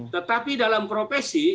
tetapi dalam profesi